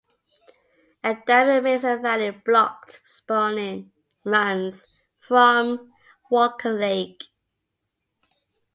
A dam in Mason Valley blocked spawning runs from Walker Lake.